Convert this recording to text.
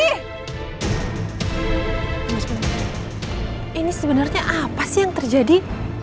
ini sebenarnya apa sih yang terjadi